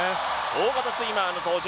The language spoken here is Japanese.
大型スイマーの登場。